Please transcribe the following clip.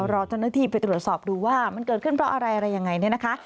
อรอสันติธิพูดดูว่าเกิดขึ้นเพราะอะไรอะไรยังไง